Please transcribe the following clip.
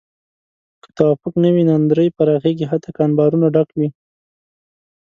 که توافق نه وي، ناندرۍ پراخېږي حتی که انبارونه ډک وي.